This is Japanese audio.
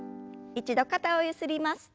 一度肩をゆすります。